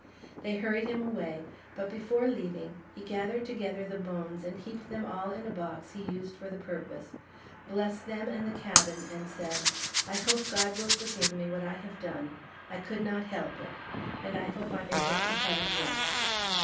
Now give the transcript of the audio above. They hurried him away, but before leaving, he gathered together the bones and heaped them all in a box he used for the purpose, blessed them and the cabin and said, "I hope God will forgive me what I have done. I could not help it; and I hope I may get to heaven yet!"